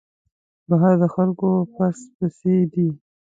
بهر د خلکو پس پسي دی.